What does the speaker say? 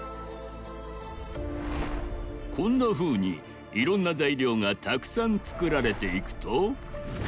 こんなふうにいろんなざいりょうがたくさんつくられていくと。